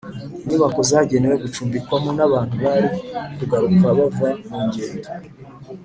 inyubako zagenewe gucumbikwamo n’abantu bari kugaruka bava mugendo